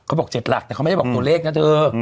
เขาบอก๗หลักแต่เขาไม่ได้บอกตัวเลขนะเธอ